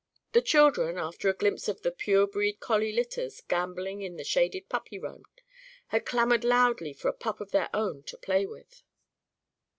The children, after a glimpse of the pure breed collie litters gambolling in the shaded puppy run, had clamoured loudly for a pup of their own to play with.